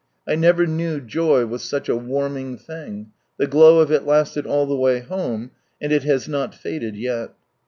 I never knew joy was such a warming thing. The glow of it lasted all the way home, and it has not faded yet.